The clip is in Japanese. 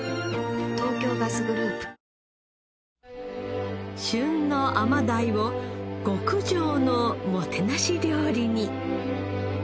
東京ガスグループ旬の甘鯛を極上のもてなし料理に